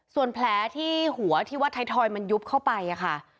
ส่วนแผลที่หัวที่วัดไทยทอยมันยุบเข้าไปค่ะ